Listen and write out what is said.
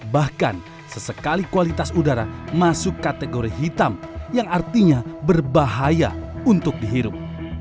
bahkan sesekali kualitas udara masuk kategori hitam yang artinya berbahaya untuk dihirup